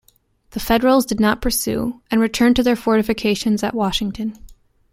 The Federals did not pursue and returned to their fortifications at Washington.